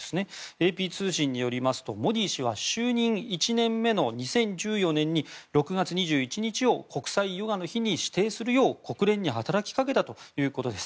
ＡＰ通信によりますとモディ氏は就任１年目の２０１４年に６月２１日を国際ヨガの日に指定するよう国連に働きかけたということです。